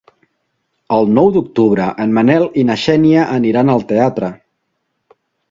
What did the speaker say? El nou d'octubre en Manel i na Xènia aniran al teatre.